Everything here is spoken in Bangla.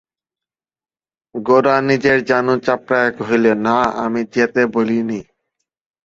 গোরা নিজের জানু চাপড়াইয়া কহিল, না, আমি যেতে বলি নে।